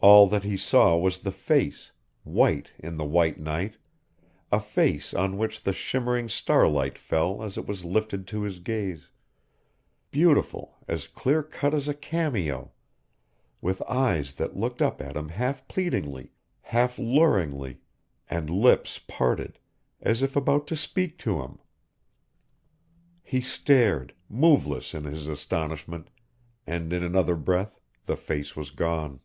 All that he saw was the face, white in the white night a face on which the shimmering starlight fell as it was lifted to his gaze, beautiful, as clear cut as a cameo, with eyes that looked up at him half pleadingly, half luringly, and lips parted, as if about to speak to him. He stared, moveless in his astonishment, and in another breath the face was gone.